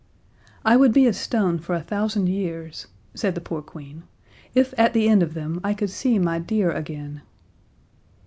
"I would be a stone for a thousand years," said the poor Queen, "if at the end of them I could see my dear again."